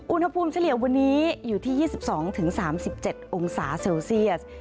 เฉลี่ยวันนี้อยู่ที่๒๒๓๗องศาเซลเซียส